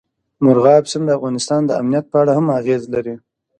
مورغاب سیند د افغانستان د امنیت په اړه هم اغېز لري.